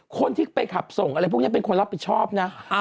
คนที่ไปขับส่งอะไรพวกนี้เป็นคนรับผิดชอบนะ